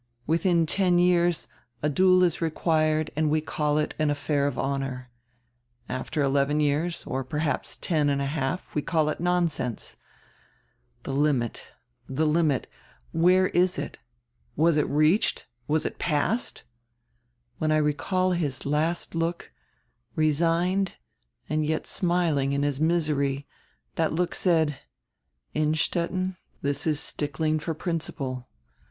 Within ten years a duel is required and we call it an affair of honor. After eleven years, or perhaps ten and a half, we call it nonsense. The limit, die limit. Where is it? Was it reached? Was it passed? When I recall his last look, resigned and yet smiling in his misery, diat look said: 'Innstetten, this is stickling for principle.